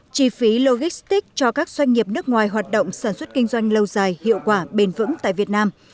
chi phí logistic cho các doanh nghiệp nước ngoài hoạt động sản xuất kinh doanh lâu dài hiệu quả bền vững tại việt nam